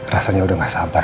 rasanya udah gak sabar